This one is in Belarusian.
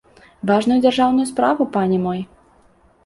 Важную дзяржаўную справу, пане мой!